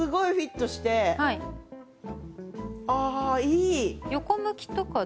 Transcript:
ああいい。